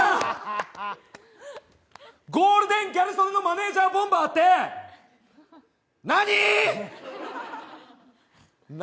ゴールデンギャル曽根のマネージャーボンバーって何！